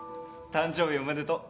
誕生日おめでとう